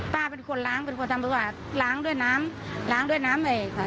ป้าเป็นคนล้างเป็นคนทำไปกว่าล้างด้วยน้ำล้างด้วยน้ำเลยค่ะ